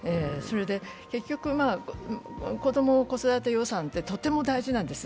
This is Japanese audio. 結局、子ども・子育て予算ってとても大事なんです。